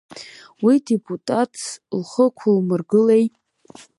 Уи депутатс лхы ықәлымыргылеи!